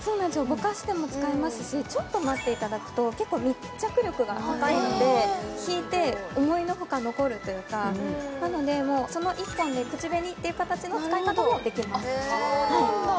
ぼかしても使えますしちょっと待っていただくと結構密着力が高いので引いて思いのほか残るというかなのでもうその１本で口紅っていう形の使い方もできますなるほどあっそうなんだ